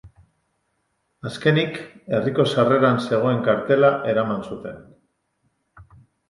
Azkenik, herriko sarreran zegoen kartela eraman zuten.